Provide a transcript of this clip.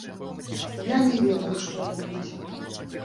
Я не ведаў, што рабіць.